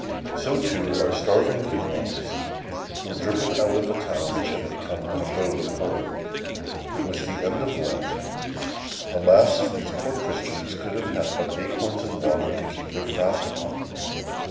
So, too, our starving Hurons were driven out of a town which had become an abode of horror. It was the end of Lent. Alas, if these poor Christians could have had but acorns and water to keep their fast upon!